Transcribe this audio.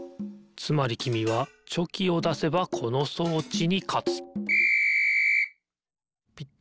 つまりきみはチョキをだせばこの装置にかつピッ！